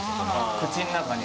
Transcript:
口の中に。